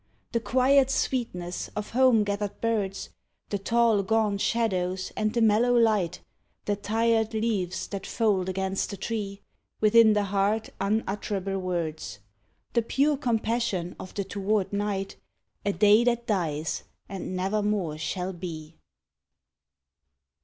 The choired sweetness of home gathered birds, The tall gaunt shadows and the mellow light, The tired leaves that fold against the tree ; Within the heart unutterable words, The pure compassion of the toward night A day that dies and never more shall be.